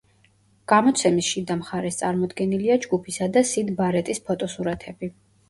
გამოცემის შიდა მხარეს წარმოდგენილია ჯგუფისა და სიდ ბარეტის ფოტოსურათები.